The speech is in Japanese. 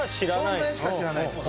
存在しか知らないんです。